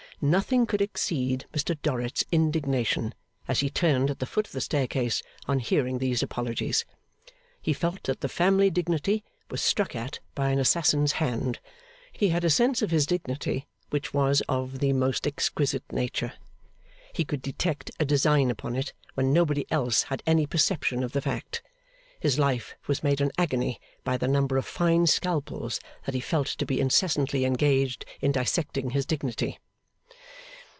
Nothing could exceed Mr Dorrit's indignation, as he turned at the foot of the staircase on hearing these apologies. He felt that the family dignity was struck at by an assassin's hand. He had a sense of his dignity, which was of the most exquisite nature. He could detect a design upon it when nobody else had any perception of the fact. His life was made an agony by the number of fine scalpels that he felt to be incessantly engaged in dissecting his dignity.